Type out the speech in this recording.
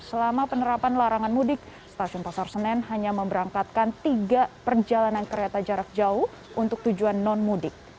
selama penerapan larangan mudik stasiun pasar senen hanya memberangkatkan tiga perjalanan kereta jarak jauh untuk tujuan non mudik